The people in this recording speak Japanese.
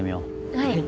はい。